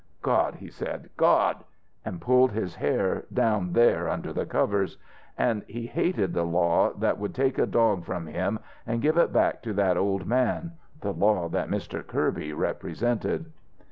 "God!" he said. "God!" And pulled his hair, down there under the covers; and he hated the law that would take a dog from him and give it back to that old man the law that Mr. Kirby represented.